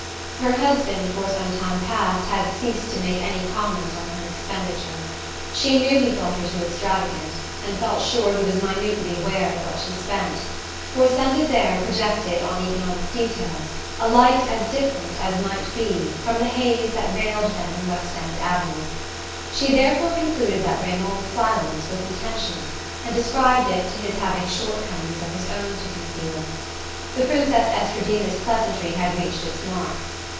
Her husband, for some time past, had ceased to make any comment on her expenditure. She knew he thought her too extravagant, and felt sure he was minutely aware of what she spent; for Saint Desert projected on economic details a light as different as might be from the haze that veiled them in West End Avenue. She therefore concluded that Raymond's silence was intentional, and ascribed it to his having shortcomings of his own to conceal. The Princess Estradina's pleasantry had reached its mark.